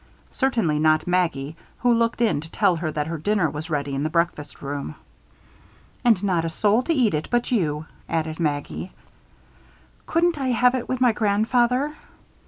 Certainly not Maggie, who looked in to tell her that her dinner was ready in the breakfast room. "And not a soul here to eat it but you," added Maggie. "Couldn't I have it with my grandfather?"